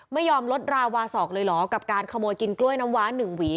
ไม่ยอมลดราวาสอกเลยเหรอกับการขโมยกินกล้วยน้ำว้า๑หวี